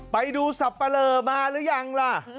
ไปดูสับปะเลอมาหรือยังล่ะ